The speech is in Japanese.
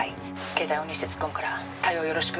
「携帯をオンにして突っ込むから対応よろしく」